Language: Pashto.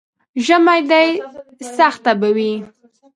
ژمی دی، سخته به وي.